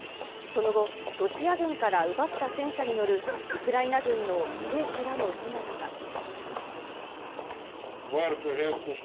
その後、ロシア軍から奪った戦車に乗るウクライナ軍の兵士らの姿が。